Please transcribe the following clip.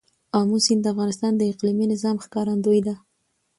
آمو سیند د افغانستان د اقلیمي نظام ښکارندوی ده.